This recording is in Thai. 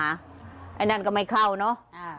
อันนั้นก็ไม่เข้าเนอะ